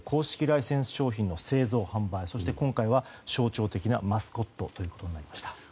ライセンス商品の製造・販売そして今回は象徴的なマスコットとなりました。